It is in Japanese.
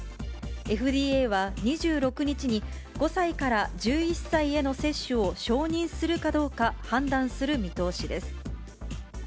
ＦＤＡは２６日に５歳から１１歳への接種を承認するかどうか判断する見通しです。